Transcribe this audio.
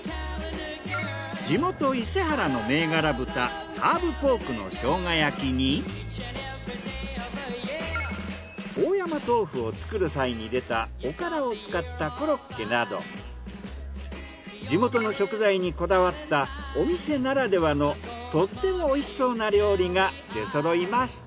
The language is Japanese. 地元伊勢原の銘柄豚大山豆腐を作る際に出たおからを使ったコロッケなど地元の食材にこだわったお店ならではのとっても美味しそうな料理が出そろいました。